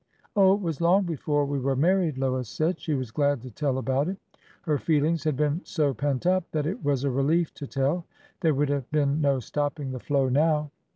"" Oh, it was long before we were married," Lois said. She was glad to tell about it. Her feelings had been so pent up that it was a relief to tell. There would have been no stopping the flow now.